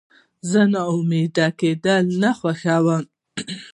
زه ناامیده کېدل نه خوښوم.